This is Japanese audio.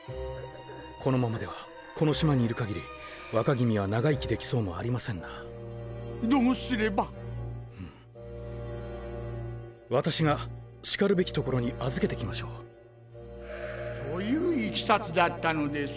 このままではこの島にいる限り若君は長生きできそうもありませんなどうすればふむ私がしかるべきところに預けてきましという経緯だったのです。